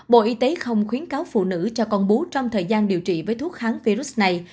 bộ y tế không khuyến cáo phụ nữ cho con bú trong thời gian điều trị với thuốc kháng virus này